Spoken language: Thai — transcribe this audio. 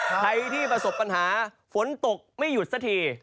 ใครที่ประสบปัญหาฝนตกไม่หยุดสักที